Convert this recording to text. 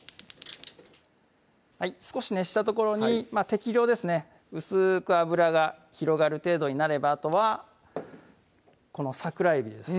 少し熱したところに適量ですね薄く油が広がる程度になればあとはこの桜えびです